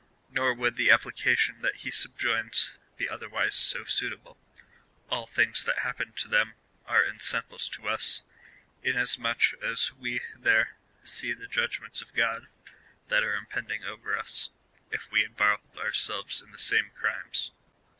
Nor would the application that he subjoins be otherwise so suitable —" All things that happened to them are ensamplcs to us, inasmuch as we there see the judgments of God that are impending over us, if we involve ourselves in the same crimes.''